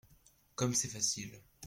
Comme c’est facile !…